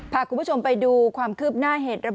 พาคุณผู้ชมไปดูความคืบหน้าเหตุระ